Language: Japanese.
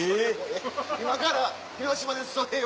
今から広島でそれを？